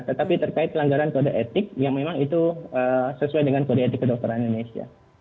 tetapi terkait pelanggaran kode etik yang memang itu sesuai dengan kode etik kedokteran indonesia